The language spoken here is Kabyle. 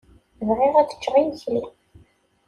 Bɣiɣ ad ččeɣ imekli.